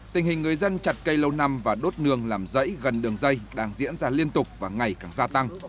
tình hình người dân chặt cây lâu năm và đốt nường làm dãy gần đường dây đang diễn ra liên tục và ngày càng gia tăng